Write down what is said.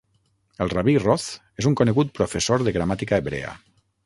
El rabí Roth és un conegut professor de gramàtica hebrea.